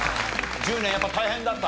１０年やっぱ大変だった？